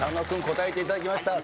答えていただきました。